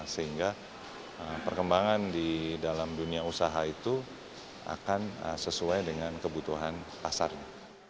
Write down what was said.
sehingga perkembangan di dalam dunia usaha itu akan sesuai dengan kebutuhan pasarnya